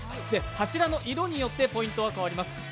柱の色によってポイントは変わります。